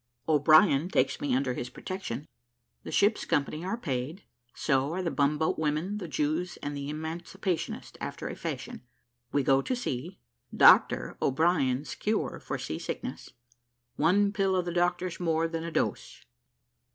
O'BRIEN TAKES ME UNDER HIS PROTECTION THE SHIP'S COMPANY ARE PAID, SO ARE THE BUMBOAT WOMEN, THE JEWS, AND THE EMANCIPATIONIST AFTER A FASHION WE GO TO SEA "DOCTOR" O'BRIEN'S CURE FOR SEA SICKNESS ONE PILL OF THE DOCTOR'S MORE THAN A DOSE.